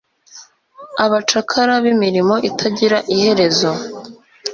Abacakara b'imirimo itagira iherezo